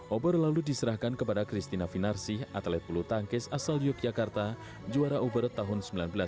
obor lalu diserahkan kepada christina finarsi atlet belutangkis asal yogyakarta juara obor tahun seribu sembilan ratus sembilan puluh enam